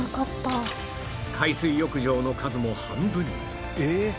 海水浴場の数も半分に